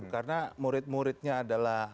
karena murid muridnya adalah